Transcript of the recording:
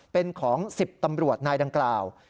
เป็นของ๑๐ตำรวจนายดังกล่าว